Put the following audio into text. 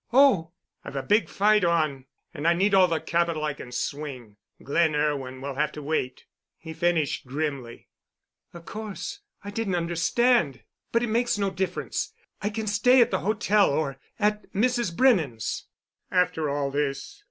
"Oh!" "I've a big fight on, and I need all the capital I can swing. 'Glen Irwin' will have to wait," he finished grimly. "Of course—I didn't understand. But it makes no difference. I can stay at the hotel or at Mrs. Brennan's." "After all this?